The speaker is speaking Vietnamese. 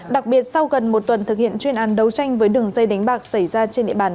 đặc biệt sau gần một tuần thực hiện chuyên án đấu tranh với đường dây đánh bạc xảy ra trên địa bàn